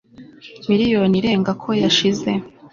miliyoni irenga ko yashize